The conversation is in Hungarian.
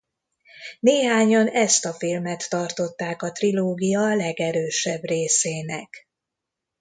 Néhányan ezt a filmet tartották a trilógia legerősebb részének.